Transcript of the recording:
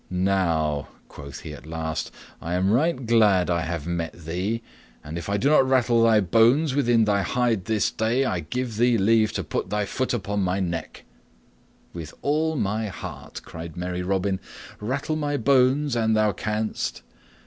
"Now," quoth he at last, "I am right glad I have met thee, and if I do not rattle thy bones within thy hide this day, I give thee leave to put thy foot upon my neck." "With all my heart," cried merry Robin. "Rattle my bones, an thou canst."